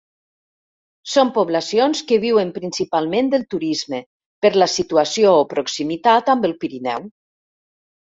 Són poblacions que viuen principalment del turisme per la situació o proximitat amb el Pirineu.